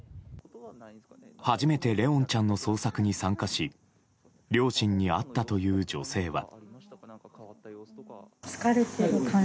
初めて怜音ちゃんの捜索に参加し両親に会ったという女性は。